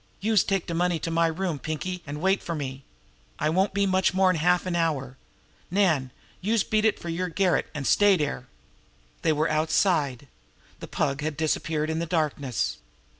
"Youse take de money to my room, Pinkie, an' wait fer me. I won't be much more'n half an hour. Nan, youse beat it fer yer garret, an' stay dere!" They were outside. The Pug had disappeared in the darkness.